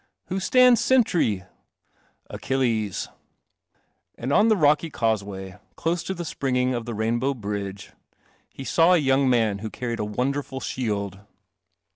" Who stands sentry ?"" Achilles." And on the rocky causeway, close to the springing of the rainbow bridge, he saw a young man who carried a wonderful shield.